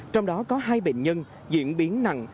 trong đó có hai bệnh nhân diễn biến nặng